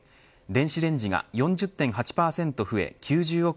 電子レンジが４０．８％増え９０億